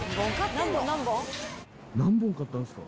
何本買ったんですか？